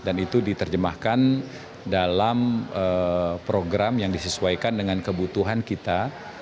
dan itu diterjemahkan dalam program yang disesuaikan dengan kebutuhan kita